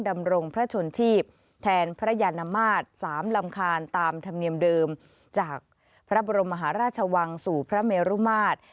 ดำรงพระชนชีพแทนพระยานมาตร๓ลำคาญตามธรรมเนียมเดิมจากพระบรมมหาราชวังสู่พระเมรุมาตร